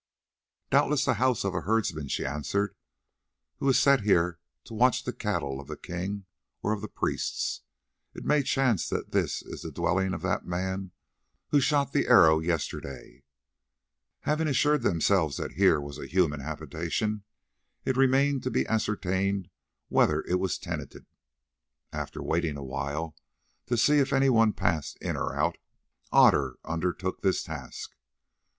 "Doubtless the house of a herdsman," she answered, "who is set here to watch the cattle of the king, or of the priests. It may chance that this is the dwelling of that man who shot the arrow yesterday." Having assured themselves that here was a human habitation, it remained to be ascertained whether it was tenanted. After waiting awhile to see if anyone passed in or out, Otter undertook this task.